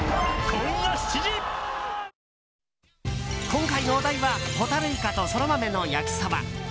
今回のお題はホタルイカとソラマメの焼きそば。